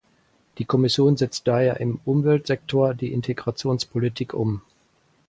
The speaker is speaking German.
Die Kommission setzt daher im Umweltsektor die Integrationspolitik um.